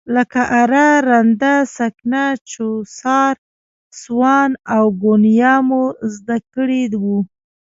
لکه اره، رنده، سکنه، چوسار، سوان او ګونیا مو زده کړي وو.